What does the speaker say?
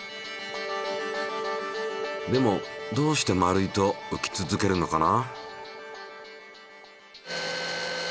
でもどうして丸いと浮き続けるのかな？